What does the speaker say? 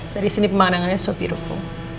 dari sini pemandangannya sopiruku